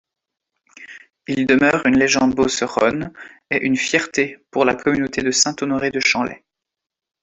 Il demeure une légende beauceronne et une fierté pour la communauté de Saint-Honoré-de-Shenley.